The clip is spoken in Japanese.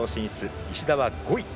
石田は５位。